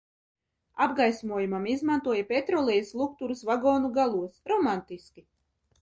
Apgaismojumam izmantoja petrolejas lukturus vagonu galos, romantiski!